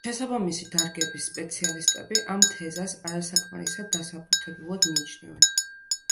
შესაბამისი დარგების სპეციალისტები ამ თეზას არასაკმარისად დასაბუთებულად მიიჩნევენ.